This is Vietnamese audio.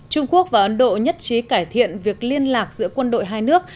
trung quốc và ấn độ nhất trí cải thiện việc liên lạc giữa quân đội hai nước